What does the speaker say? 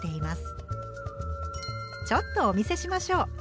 ちょっとお見せしましょう。